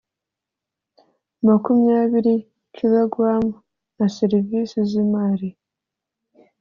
Makumyabiri kg na serivisi z imari